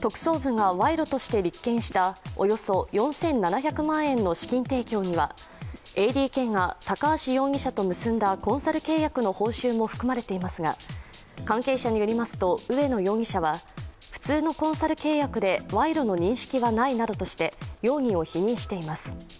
特捜部が賄賂として立件したおよそ４７００万円の資金提供にはＡＤＫが高橋容疑者と結んだコンサル契約の報酬も含まれていますが関係者によりますと、植野容疑者は普通のコンサル契約で賄賂の認識はないなどとして容疑を否認しています。